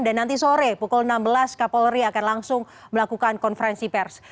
dan nanti sore pukul enam belas kapolri akan langsung melakukan konferensi pers